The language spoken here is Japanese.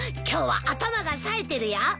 今日は頭がさえてるよ。